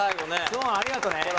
そうありがとね。